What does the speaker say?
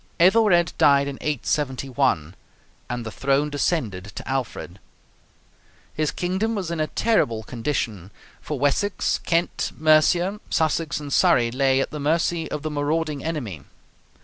Ethelred died in 871, and the throne descended to Alfred. His kingdom was in a terrible condition, for Wessex, Kent, Mercia, Sussex, and Surrey lay at the mercy of the marauding enemy.